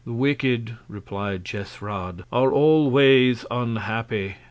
The Wicked, replied Jesrad, are always unhappy.